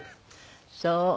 そう。